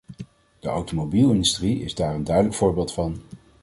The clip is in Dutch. De automobielindustrie is daar een duidelijk voorbeeld van.